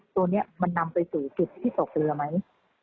ตัวนี้มันนำไปสู่จุดที่ตกเรือไหม